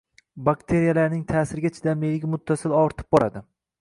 bakteriyalarning ta’sirga chidamliligi muttasil ortib bordi